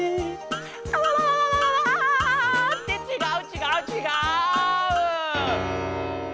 「あわわわ」。ってちがうちがうちがう！